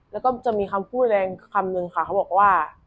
แล้วก็จะมีคำพูดแรงคำนึงค่ะเขาบอกว่า